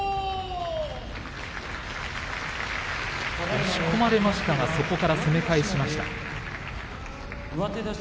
押し込まれましたがそこから攻め返しました。